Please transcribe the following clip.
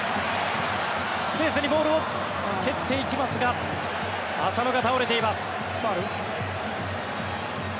スペースにボールを蹴っていきますが浅野が倒れています。